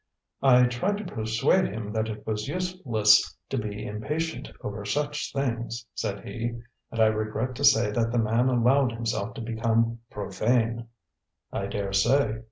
"I tried to persuade him that it was useless to be impatient over such things," said he. "And I regret to say that the man allowed himself to become profane." "I dare say."